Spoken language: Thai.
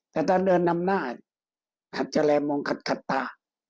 แต่ตอนเดินนำหน้าอาจจะแรงมองขัดตา